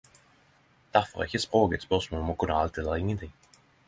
Derfor er ikkje språk eit spørsmål om å kunne alt eller ingenting.